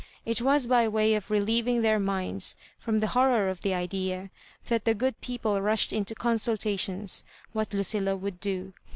It was by way of relieving their minds from horror of the idea, that the good people rushed into consultations what Lucilla would do.